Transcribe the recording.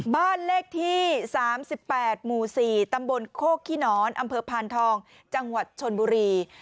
บ้านเลขที่๓๘หมู่๔ตำบลโคกขี้หนอนอำเภอพานทองจังหวัดชนบุรี